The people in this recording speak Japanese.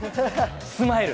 スマイル。